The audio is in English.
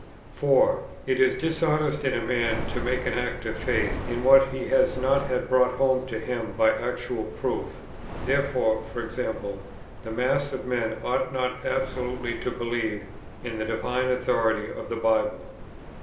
4. It is dishonest in a man to make an act of faith in what he has not had brought home to him by actual proof. Therefore, e.g. the mass of men ought not absolutely to believe in the divine authority of the Bible.